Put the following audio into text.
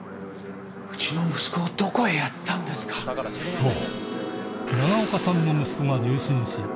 そう！